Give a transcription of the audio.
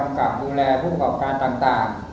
ินวันในการกั้มกลัวแลผู้ปกป้องการตาม